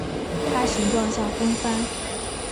它形状像风帆。